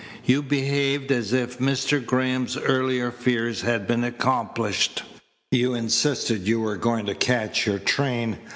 "You behaved as if Mr. Graham's earlier fears had been accomplished. You insisted you were going to catch your train.